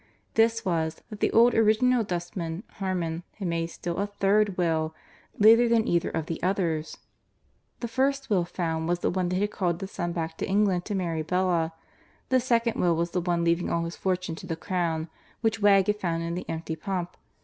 This was, that the old original dustman, Harmon, had made still a third will, later than either of the others. The first will found was the one that had called the son back to England to marry Bella. The second will was the one leaving all his fortune to the Crown, which Wegg had found in the empty pump.